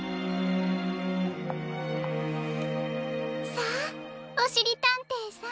さあおしりたんていさん。